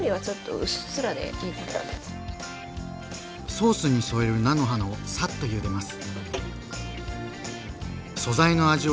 ソースにそえる菜の花をサッとゆでます。